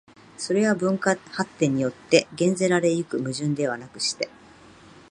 それは文化発展によって減ぜられ行く矛盾ではなくして、